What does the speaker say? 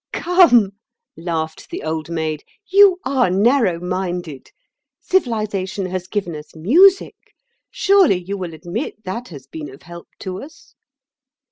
"Come!" laughed the Old Maid, "you are narrow minded. Civilisation has given us music. Surely you will admit that has been of help to us?"